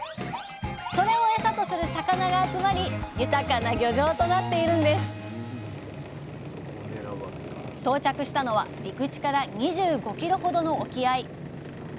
それをエサとする魚が集まり豊かな漁場となっているんです到着したのは陸地から２５ｋｍほどの沖合。